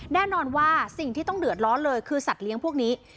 แน่นอนว่าสิ่งที่ต้องเดือดร้อนเลยคือสัตว์เลี้ยงพวกนี้